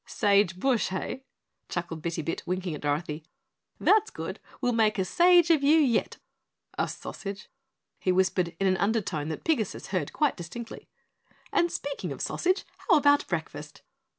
"Sage bush, eh?" chuckled Bitty Bit, winking at Dorothy. "That's good, and we'll make a sage of you yet, a sausage!" he whispered in an undertone that Pigasus heard quite distinctly. "And speaking of sausage, how about breakfast?"